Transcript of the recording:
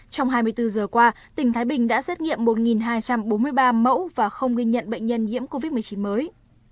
trong hai mươi bốn giờ qua tỉnh thái bình đã xét nghiệm một hai trăm bốn mươi ba mẫu và không ghi nhận bệnh nhân nhiễm covid một mươi chín mới